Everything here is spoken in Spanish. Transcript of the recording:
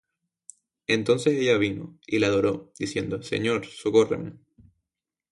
Entonces ella vino, y le adoró, diciendo: Señor socórreme.